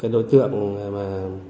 cái đối tượng mà